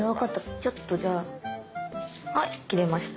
ちょっとじゃあはい切れました。